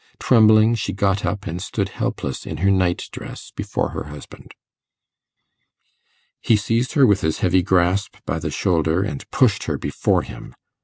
Trembling she got up, and stood helpless in her night dress before her husband. He seized her with his heavy grasp by the shoulder, and pushed her before him.